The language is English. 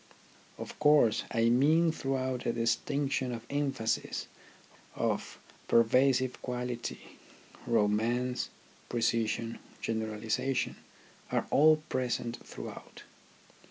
Of course, I mean throughout a distinction of emphasis, of pervasive quality romance, pre cision, generalization, are all present throughout.